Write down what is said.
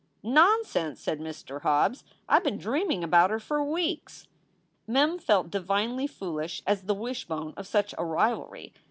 "Nonsense !" said Mr. Hobbes, "I ve been dreaming about her for weeks." Mem felt divinely foolish as the wishbone of such a rivalry.